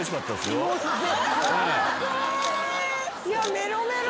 メロメロ。